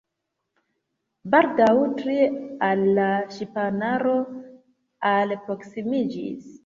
Baldaŭ tri el la ŝipanaro alproksimiĝis.